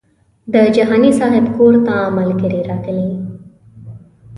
د جهاني صاحب کور ته ملګري راغلي وو.